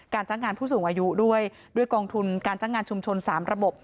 จ้างงานผู้สูงอายุด้วยด้วยกองทุนการจ้างงานชุมชน๓ระบบ